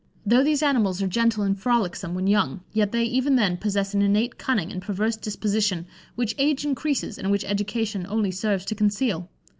Though these animals are gentle and frolicksome when young, yet they, even then, possess an innate cunning and perverse disposition, which age increases, and which education only serves to conceal.